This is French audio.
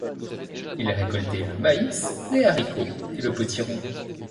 Ils récoltaient le maïs, les haricots et le potiron.